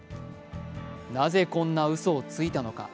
なぜこんなうそをついたのか。